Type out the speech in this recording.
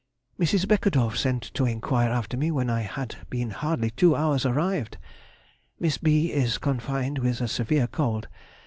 Mrs. Beckedorff sent to enquire after me when I had been hardly two hours arrived. Miss B. is confined with a severe cold.